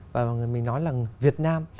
và mình nói là việt nam